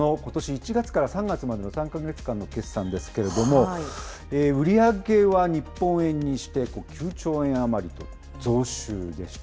１月から３月までの３か月間の決算ですけれども、売り上げは日本円にして９兆円余りと増収でした。